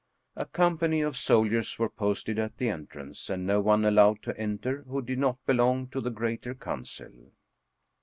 A company of soldiers was posted at the entrance, and no one allowed to enter who did not belong to the greater council.